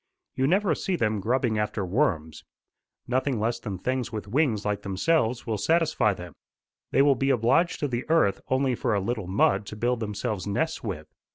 You never see them grubbing after worms. Nothing less than things with wings like themselves will satisfy them. They will be obliged to the earth only for a little mud to build themselves nests with.